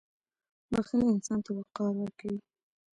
• بښل انسان ته وقار ورکوي.